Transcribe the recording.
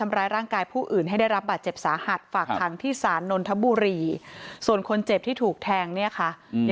อาการหนักนะคะ